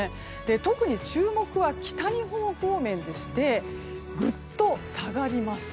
特に注目は北日本方面でしてぐっと下がります。